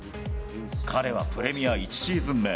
彼はプレミア１シーズン目。